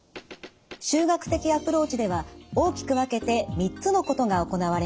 集学的アプローチでは大きく分けて３つのことが行われます。